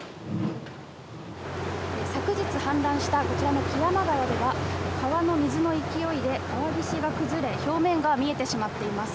昨日、氾濫した木山川では川の水の勢いで川岸が崩れ表面が見えてしまっています。